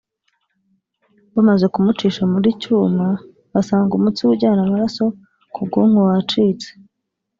bamaze kumucisha muri cyuma basanga umutsi we ujyana amaraso ku bwonko wacitse”